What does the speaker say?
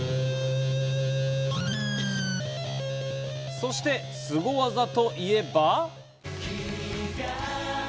そしてスゴ技といえば。